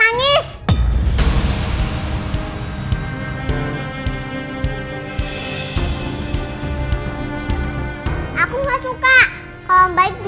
adik aku bilang balon biru